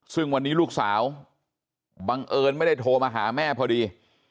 ซึ่งวันนี้ลูกสาวบังเอิญไม่ได้โทรมาหาแม่พอดี